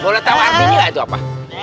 boleh tau artinya gak itu apa